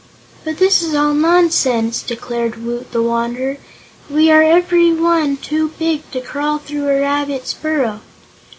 "But this is all nonsense!" declared Woot the Wanderer. "We are every one too big to crawl through a rabbit's burrow."